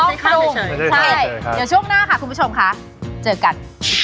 ต้องปรุงใช่ช่วงหน้าค่ะคุณผู้ชมค่ะเจอกัน